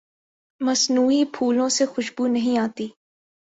مصنوعی پھولوں سے خوشبو نہیں آتی۔